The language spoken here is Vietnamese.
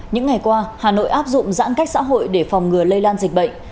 những ngày qua hà nội áp dụng giãn cách xã hội để phòng ngừa lây lan dịch bệnh